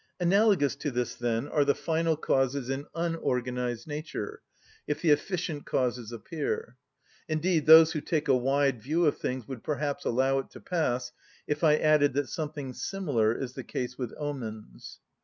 Analogous to this, then, are the final causes in unorganised nature, if the efficient causes appear. Indeed, those who take a wide view of things would perhaps allow it to pass if I added that something similar is the case with omens.